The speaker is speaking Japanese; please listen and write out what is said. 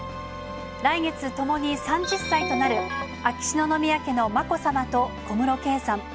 来月、共に３０歳となる秋篠宮家のまこさまと小室圭さん。